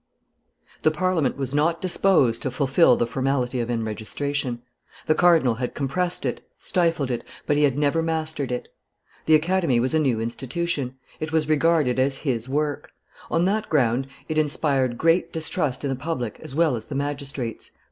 The Parliament was not disposed to fulfil the formality of enregistration. The cardinal had compressed it, stifled it, but he had never mastered it; the Academy was a new institution, it was regarded as his work; on that ground it inspired great distrust in the public as well as the magistrates.